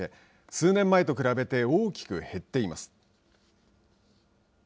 数年前と比べて、大きく減っています。